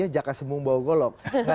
jaka sembung bau golok